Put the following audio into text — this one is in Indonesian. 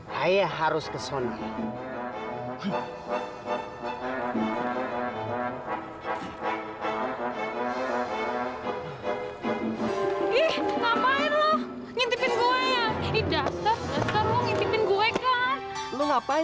saya harus ke sana